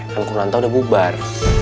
kan kurnanta udah bubar